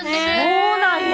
そうなんや。